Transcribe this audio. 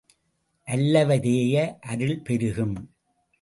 அல்லவை தேய அருள் பெருகும்.